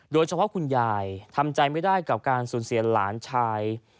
คุณยายทำใจไม่ได้กับการสูญเสียหลานชาย